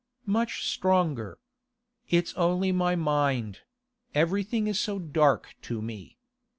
'Much stronger. It's only my mind; everything is so dark to me.